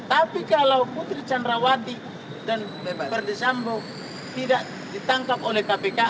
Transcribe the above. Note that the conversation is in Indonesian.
tapi kalau putri cerecan rawati dan berdisambu tidak ditangkap oleh kpk